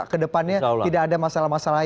kedepannya tidak ada masalah masalah